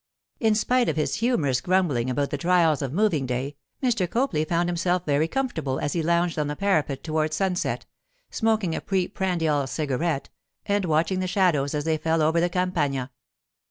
In spite of his humorous grumbling about the trials of moving day, Mr. Copley found himself very comfortable as he lounged on the parapet toward sunset, smoking a pre prandial cigarette, and watching the shadows as they fell over the Campagna.